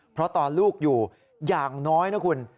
เพราะตอนลูกอยู่อย่างน้อยนะคุณ